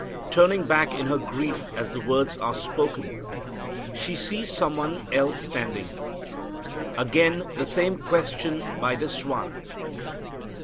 Turning back in her grief as the words are spoken, she sees some one else standing. Again the same question by this One.